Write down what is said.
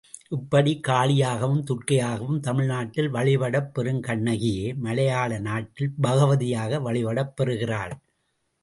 இப்படி காளியாகவும் துர்க்கையாகவும் தமிழ்நாட்டில் வழிபடப் பெறும் கண்ணகியே, மலையாள நாட்டில், பகவதியாக வழிபடப் பெறுகிறாள்.